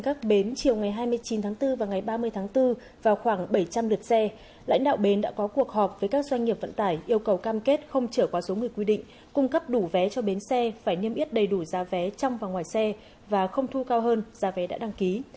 các bến chiều ngày hai mươi chín tháng bốn và ngày ba mươi tháng bốn vào khoảng bảy trăm linh lượt xe lãnh đạo bến đã có cuộc họp với các doanh nghiệp vận tải yêu cầu cam kết không trở qua số người quy định cung cấp đủ vé cho bến xe phải niêm yết đầy đủ giá vé trong và ngoài xe và không thu cao hơn giá vé đã đăng ký